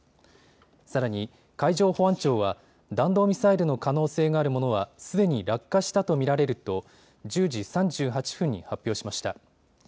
さらに海上保安庁は弾道ミサイルの可能性があるものはすでに落下したと見られると１０時３８分に発表しました。